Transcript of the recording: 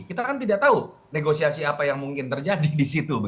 kita kan tidak tahu negosiasi apa yang mungkin terjadi di situ